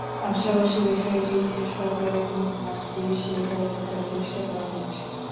পাশাপাশি বিষয়টি নিয়ে সরকারের মনোভাব কী, সেটাও বোঝার চেষ্টা করা হচ্ছে।